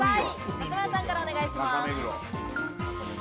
松丸さんからお願いします。